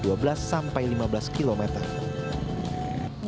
dina mengatakan bahwa e board rakitan ini lebih murah dari e board yang lain